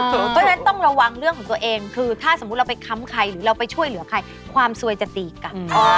เพราะฉะนั้นต้องระวังเรื่องของตัวเองคือถ้าสมมุติเราไปค้ำใครหรือเราไปช่วยเหลือใครความสวยจะตีกัน